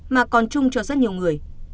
mà còn chung cho rất nhiều người